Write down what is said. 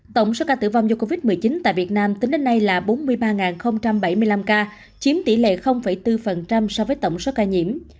tổng số ca tử vong do covid một mươi chín tại việt nam tính đến nay là bốn mươi ba bảy mươi năm ca chiếm tỷ lệ bốn so với tổng số ca nhiễm